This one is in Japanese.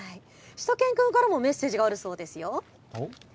しゅと犬からもメッセージがあるそうですよ。